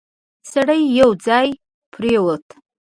سړی یو ځای پرېووت.